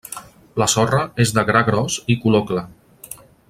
La sorra és de gra gros i color clar.